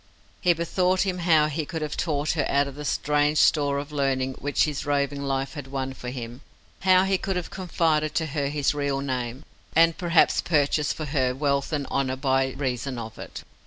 He bethought him how he could have taught her out of the strange store of learning which his roving life had won for him, how he could have confided to her his real name, and perhaps purchased for her wealth and honour by reason of it.